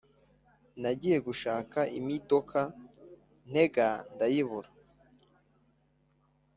nagiye gushaka imidoka ntega ndayibura